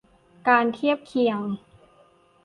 การเทียบเคียง